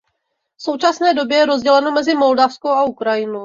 V současné době je rozděleno mezi Moldavsko a Ukrajinu.